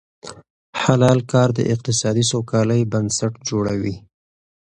حلال کار د اقتصادي سوکالۍ بنسټ جوړوي.